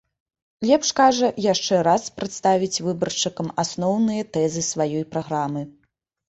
Лепш, кажа, яшчэ раз прадставіць выбаршчыкам асноўныя тэзы сваёй праграмы.